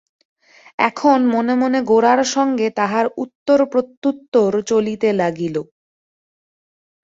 এখন মনে মনে গোরার সঙ্গে তাহার উত্তর-প্রত্যুত্তর চলিতে লাগিল।